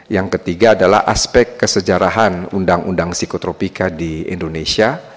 yang ketiga adalah aspek kesejarahan undang undang psikotropika di indonesia